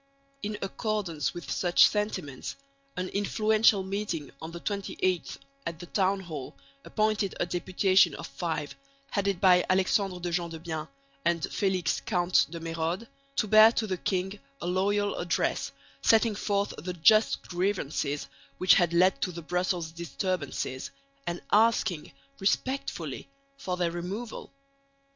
In accordance with such sentiments an infuencial meeting on the on the 28th at the townhall appointed a deputation of five, headed by Alexandre de Gendebien and Felix, count de Mérode, to bear to the king a loyal address setting forth the just grievances which had led to the Brussels disturbances, and asking respectfully for their removal.